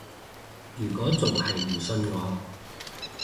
如果仲係唔信我